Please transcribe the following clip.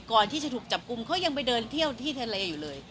ก่อนที่จะถูกจับกลุ่มเขายังไปเดินเที่ยวที่ทะเลอยู่เลย